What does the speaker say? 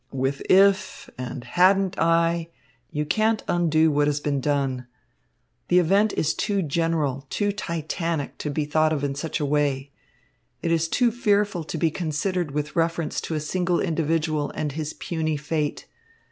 "With 'if' and 'hadn't I,' you can't undo what has been done. The event is too general, too titanic, to be thought of in such a way. It is too fearful to be considered with reference to a single individual and his puny fate.